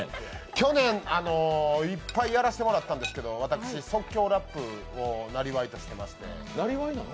去年いっぱいやらせてもらったんですけど私、即興ラップをなりわいとしていまして。